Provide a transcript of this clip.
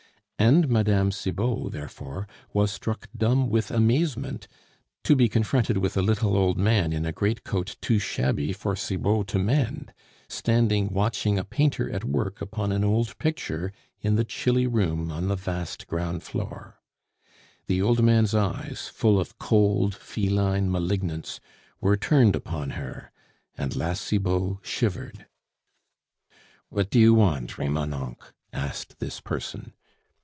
And Mme. Cibot, therefore, was struck dumb with amazement to be confronted with a little old man in a great coat too shabby for Cibot to mend, standing watching a painter at work upon an old picture in the chilly room on the vast ground floor. The old man's eyes, full of cold feline malignance, were turned upon her, and La Cibot shivered. "What do you want, Remonencq?" asked this person.